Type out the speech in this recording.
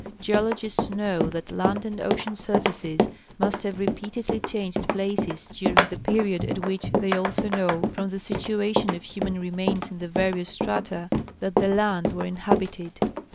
Geologists know that land and ocean surfaces must have repeatedly changed places during the period at which they also know from the situation of human remains in the various strata that the lands were inhabited.